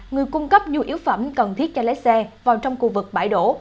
người cung cấp nhu yếu phẩm cần thiết cho lái xe vào trong khu vực bãi đổ